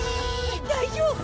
大丈夫？